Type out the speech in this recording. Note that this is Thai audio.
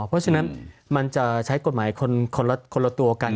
เพราะฉะนั้นมันจะใช้กฎหมายคนละตัวกัน